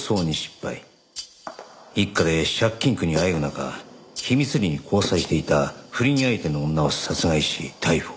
一家で借金苦にあえぐ中秘密裏に交際していた不倫相手の女を殺害し逮捕。